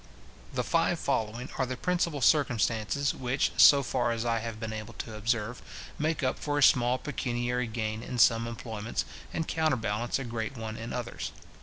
The five following are the principal circumstances which, so far as I have been able to observe, make up for a small pecuniary gain in some employments, and counterbalance a great one in others.